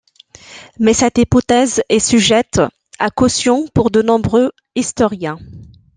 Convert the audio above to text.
Mais cette hypothèse est sujette à caution pour de nombreux historiens.